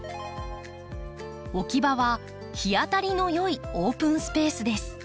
置き場は日当たりの良いオープンスペースです。